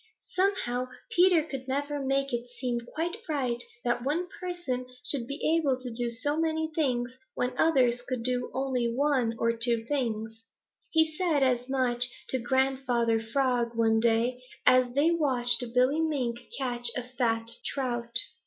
Somehow Peter could never make it seem quite right that one person should be able to do so many things when others could do only one or two things. He said as much to Grandfather Frog one day, as they watched Billy Mink catch a fat trout.